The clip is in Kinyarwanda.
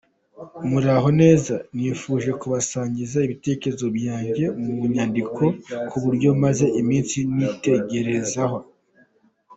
Muraho neza, nifuje kubasangiza ibitekerezo byanjye mu nyandiko kubyo maze iminsi nitegereza.